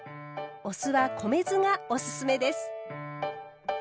お酢は米酢がおすすめです。